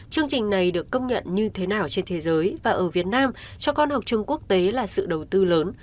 chương trình này được công nhận như thế nào trên thế giới và ở việt nam cho con học chung quốc tế là sự đầu tư lớn